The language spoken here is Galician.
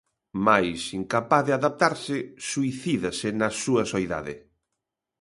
Mais, incapaz de adaptarse, suicídase na súa soidade.